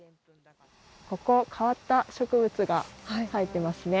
ここ変わった植物が生えてますね。